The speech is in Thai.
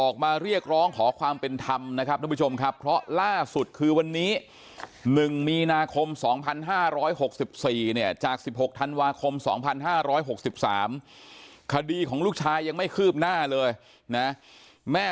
คม๒๕๖๔เนี่ยจาก๑๖ธันวาคม๒๕๖๓คดีของลูกชายยังไม่คืบหน้าเลยนะแม่